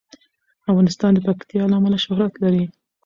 افغانستان د پکتیا له امله شهرت لري.